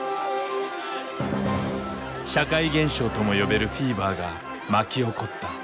社会現象とも呼べるフィーバーが巻き起こった。